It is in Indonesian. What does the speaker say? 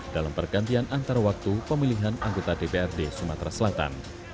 dalam pergantian antar waktu pemilihan anggota dprd sumatera selatan